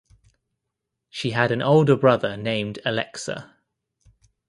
She had an older brother named Aleksa.